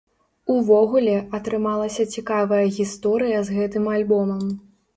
Увогуле, атрымалася цікавая гісторыя з гэтым альбомам.